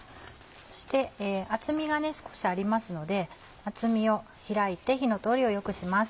そして厚みが少しありますので厚みを開いて火の通りを良くします。